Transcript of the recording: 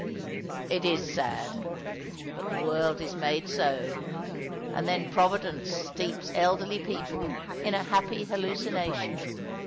" It is sad ; but the world is made so. And then Providence steeps elderly people in a happy hallucination.